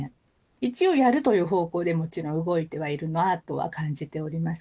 一応、やるという方向でもちろん動いてはいるなとは感じております